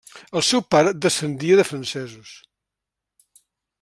El seu pare descendia de francesos.